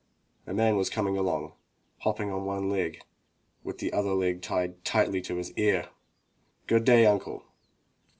— a man was coming along hopping on one leg, with the other leg tied tightly to his ear. "Good day, uncle!